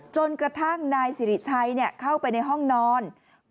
จนกระทั่งนายสิริชัยเข้าไปในห้องนอน